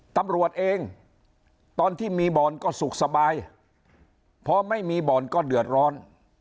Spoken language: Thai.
ตำรวจเองตอนที่มีบ่อนก็สุขสบายพอไม่มีบ่อนก็เดือดร้อน